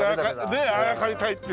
ねえあやかりたいっていうね。